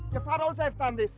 ya pak juga sudah lakukan ini